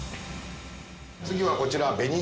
次はこちら。